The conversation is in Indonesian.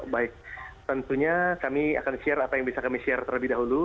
baik tentunya kami akan share apa yang bisa kami share terlebih dahulu